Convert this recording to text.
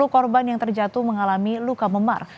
sepuluh korban yang terjatuh mengalami luka memar